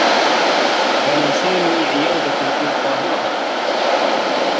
بنى سامي عيادة في القاهرة.